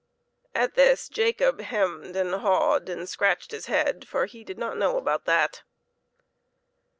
At this Jacob hemmed and hawed and scratched his head, for he did not know about that.